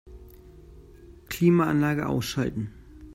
Klimaanlage ausschalten.